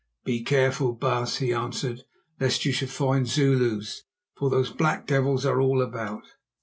"Be careful, baas," he answered, "lest you should find Zulus, for those black devils are all about."